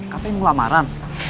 katanya mau lamaran